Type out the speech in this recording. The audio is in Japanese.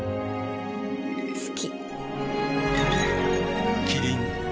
好き。